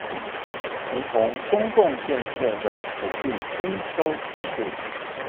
如同公眾建設的土地徵收制度